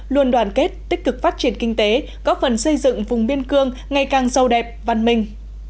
luôn đoàn kết tích cực phát triển kinh tế góp phần xây dựng vùng biên cương ngày càng sâu đẹp văn minh